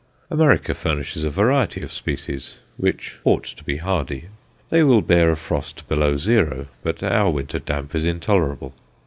America furnishes a variety of species; which ought to be hardy. They will bear a frost below zero, but our winter damp is intolerable.